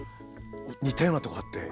似たようなとこあって。